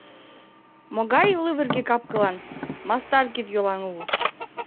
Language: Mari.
Могай лывырге кап-кылан, мастар кид-йолан улыт!